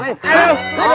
aduh aduh aduh